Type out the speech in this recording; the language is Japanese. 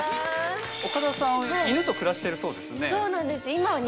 岡田さんは犬と暮らしてるそうですね。